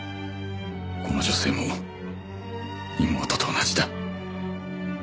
この女性も妹と同じだ。